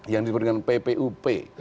yang disebut dengan ppup